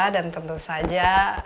dan tentu saja